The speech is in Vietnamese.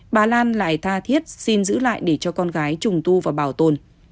bà lan lại tha thiết xin giữ lại để cho con gái trùng tu và bảo tồn